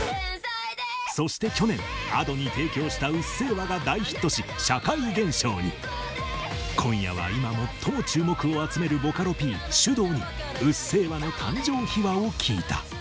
そして去年Ａｄｏに提供した「うっせぇわ」が大ヒットし今夜は今最も注目を集めるボカロＰｓｙｕｄｏｕに「うっせぇわ」の誕生秘話を聞いた。